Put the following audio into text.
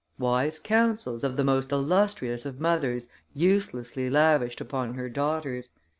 Wise counsels of the most illustrious of mothers uselessly lavished upon her daughters!